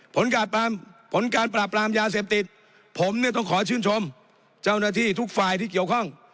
ผลการปราบรามยาเสพติดผมเนี่ยต้องขอชื่นชมเจ้าหน้าที่ทุกฝ่ายที่เกี่ยวข้อง